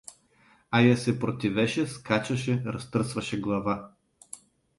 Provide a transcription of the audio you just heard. Айа се противеше, скачаше, разтърсваше глава.